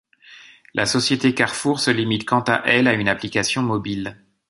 La société Carrefour se limite quant à elle à une application mobile.